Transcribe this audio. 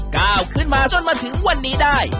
ก้าวขึ้นมาจนมาถึงวันนี้ได้